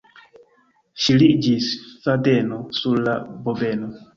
Ŝiriĝis fadeno sur la bobeno.